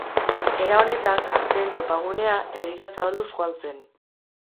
Era honetan, gazteen topagunea herrira zabalduz joan zen.